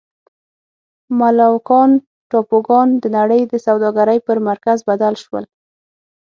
مولوکان ټاپوګان د نړۍ د سوداګرۍ پر مرکز بدل شول.